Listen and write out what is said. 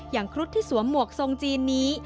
ครุฑที่สวมหมวกทรงจีนนี้